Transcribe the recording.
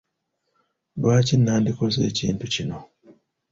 Lwaki nandikoze ekintu kino?